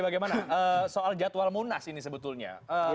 bagaimana soal jadwal munas ini sebetulnya